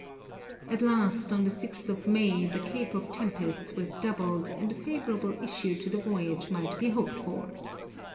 At last on the 6th of May, the Cape of Tempests was doubled and a favourable issue to the voyage might be hoped for.